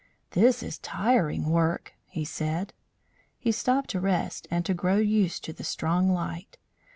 "This is tiring work," he said; he stopped to rest and to grow used to the strong light.